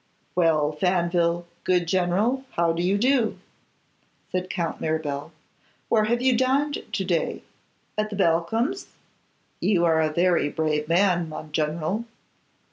'Well, Faneville, good general, how do you do?' said Count Mirabel. 'Where have you dined to day? at the Balcombes'? You are a very brave man, mon general!